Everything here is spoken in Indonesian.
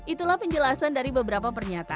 itulah penjelasan dari beberapa pernyataan